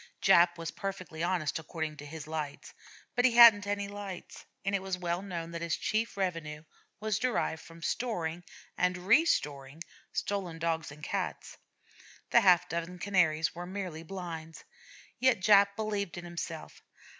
Jap was perfectly honest according to his lights, but he hadn't any lights; and it was well known that his chief revenue was derived from storing and restoring stolen Dogs and Cats. The half dozen Canaries were mere blinds. Yet Jap believed in himself.